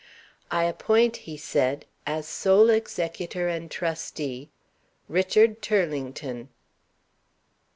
"I appoint," he said, "as sole executor and trustee Richard Turlington."